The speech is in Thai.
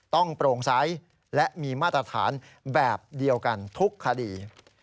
โปร่งใสและมีมาตรฐานแบบเดียวกันทุกคดี